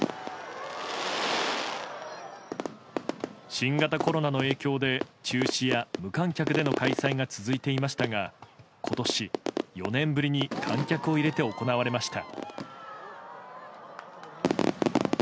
新型コロナの影響で中止や無観客での開催が続いていましたが今年４年ぶりに観客を入れて行われました。